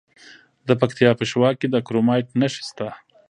د پکتیا په شواک کې د کرومایټ نښې شته.